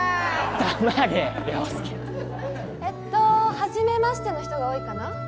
黙れ良介えっとーはじめましての人が多いかな？